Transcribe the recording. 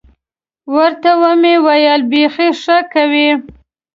ورته ومې ویل بيخي ښه کوې.